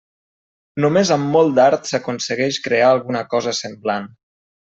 Només amb molt d'art s'aconsegueix crear alguna cosa semblant.